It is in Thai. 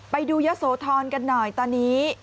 ไปดูยะโสธรกันหน่อยตอนนี้